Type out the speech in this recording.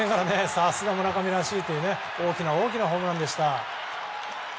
さすが村上らしいというか大きな大きなホームランでした。